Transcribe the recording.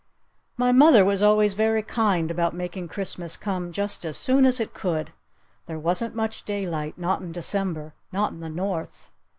My mother was always very kind about making Christmas come just as soon as it could. There wasn't much daylight. Not in December. Not in the North.